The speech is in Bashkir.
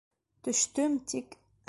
Төштөм, тик...